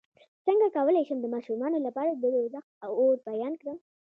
څنګه کولی شم د ماشومانو لپاره د دوزخ اور بیان کړم